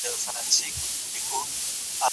هغه په پاکوالي کولو بوخت دی.